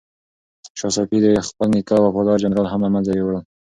شاه صفي د خپل نیکه وفادار جنرالان هم له منځه یووړل.